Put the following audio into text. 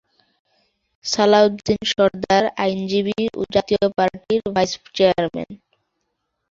সালাউদ্দিন সরদার আইনজীবী ও জাতীয় পার্টির ভাইস চেয়ারম্যান।